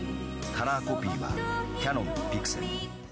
「カラーコピーはキヤノンピクセル」